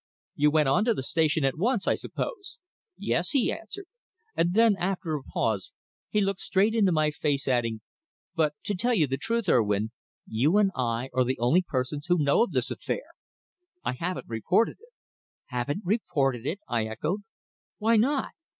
"You went on to the station at once, I suppose?" "Yes," he answered; then after a pause he looked straight into my face, adding, "but to tell the truth, Urwin, you and I are the only persons who know of this affair. I haven't reported it." "Haven't reported it?" I echoed. "Why not?